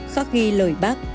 khắc ghi lời bác